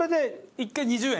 １回２０円。